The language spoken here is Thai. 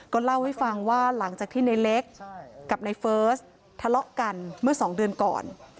เล่าให้ฟังว่าหลังจากที่ในเล็กกับในเฟิร์สทะเลาะกันเมื่อสองเดือนก่อน